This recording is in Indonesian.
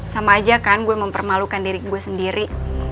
sama aja kan gue mempermalukan diri gue sendiri